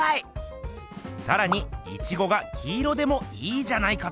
さらにイチゴが黄色でもいいじゃないかと。